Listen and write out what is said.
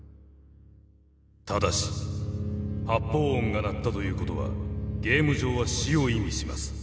ただし発砲音が鳴ったということはゲーム上は死を意味します。